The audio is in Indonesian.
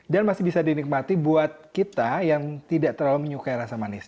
dan masih bisa dinikmati buat kita yang tidak terlalu menyukai rasa manis